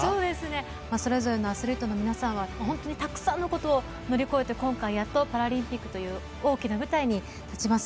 それぞれのアスリートの皆さんは本当にたくさんのことを乗り越えて今回やっとパラリンピックという大きな舞台に立ちます。